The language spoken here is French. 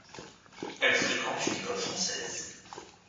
Elle fréquente une école française.